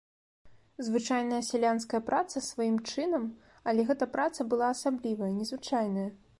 Звычайная сялянская праца сваім чынам, але гэта праца была асаблівая, незвычайная.